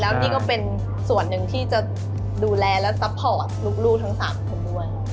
แล้วนี่ก็เป็นส่วนหนึ่งที่จะดูแลและซัพพอร์ตลูกทั้ง๓คนด้วย